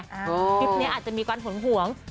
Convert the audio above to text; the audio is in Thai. อันนี้อาจจะมีความห่วง